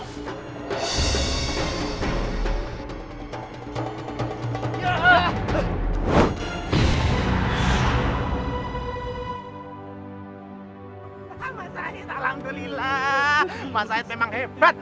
mas syahid memang hebat